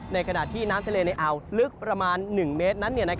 ในขณะที่น้ำทะเลในอ่าวลึกประมาณ๑เมตรนั้น